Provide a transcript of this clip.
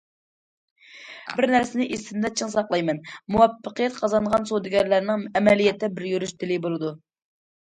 بىر نەرسىنى ئېسىمدە چىڭ ساقلايمەن، مۇۋەپپەقىيەت قازانغان سودىگەرلەرنىڭ ئەمەلىيەتتە بىر يۈرۈش تىلى بولىدۇ.